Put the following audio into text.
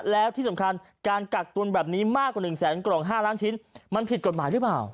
แล้วที่สำคัญการกักตุนแบบนี้มากกว่า๑แสนกล่อง๕ล้านชิ้นมันผิดกฎหมายหรือเปล่า